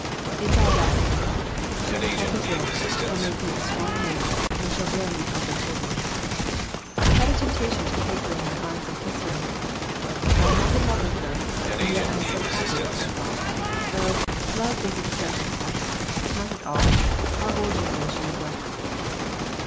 "It's all right," I thought. "She's a healthy girl. She'll make me a strong mate, and she'll bear me healthy children." I had a temptation to take her in my arms and kiss her. "I am not in love with her, and yet I am so happy," I thought. "Oh, love isn't essential to happiness. Not at all. Our old generation is right."